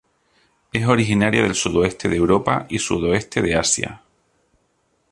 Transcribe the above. Es originaria del sudoeste de Europa y sudoeste de Asia.